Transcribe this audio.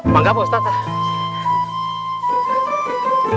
bangga pak ustaz pak